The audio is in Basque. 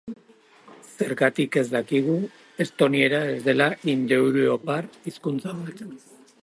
Zergatik ez dakigu estoniera ez dela indoeuropar hizkuntza bat?